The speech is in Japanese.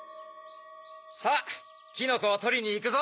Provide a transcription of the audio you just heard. さぁきのこをとりにいくぞ。